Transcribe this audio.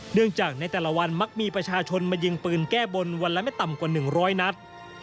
เนื่องจากในแต่ละวันมักมีประชาชนมายิงปืนแก้บนวันละไม่ต่ำกว่า๑๐๐นัด